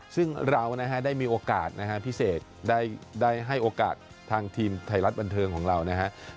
ซึ่งเรานะฮะได้มีโอกาสนะฮะพี่เสกได้ให้โอกาสทางทีมไทยรัฐบันเทิงของเรานะครับ